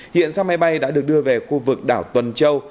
hiện xe máy bay đã được đưa về khu vực đảo tuần châu